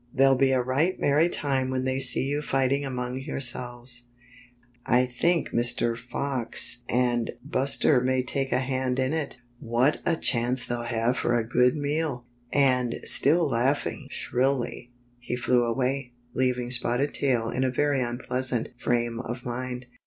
There'll be a right merry time when they see you fighting among yourselves. I think Mr. Fox The Work of Shrike the Butcher Bird 71 and Buster may take a hand in it. What a chance they'll have for a good meal!" And still laughing shrilly, he flew away, leav ing Spotted Tail in a very unpleasant frame of mind.